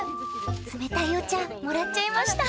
冷たいお茶もらっちゃいました！